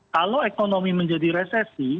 kalau ekonomi menjadi resesi